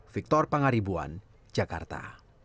victor pangaribuan jakarta